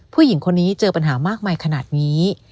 ผู้หญิงคนนี้เจอปัญหามากมายขนาดนี้